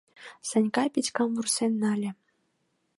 — Санька Петькам вурсен нале.